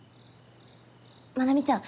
愛未ちゃん